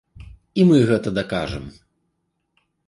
І мы гэта дакажам!